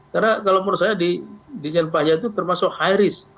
karena kalau menurut saya di dirijen pajak itu termasuk high risk